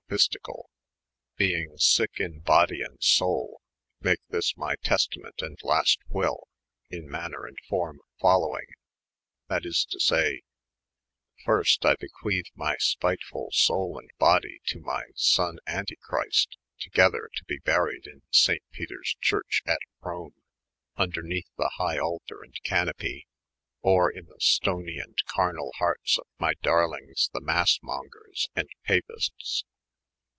pistioal, beyng sycke in bodye and soole, make "■ this my Testament and Last Wylle, in maner & forme folowyng, that is to say : Pyrst, I bequethe my spytefull soole & body to my sonn Antichrist, togeder to be buried in saynt Peters Ohurche at Rome, vndemethe the hygh Anlter and Canapie, or in the stony & camall heartes of my Dear lynges, the Massemongers and Papistes.